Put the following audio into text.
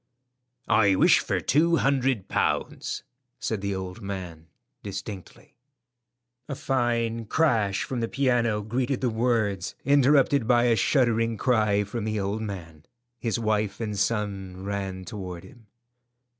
"I wish for two hundred pounds," said the old man distinctly. A fine crash from the piano greeted the words, interrupted by a shuddering cry from the old man. His wife and son ran toward him.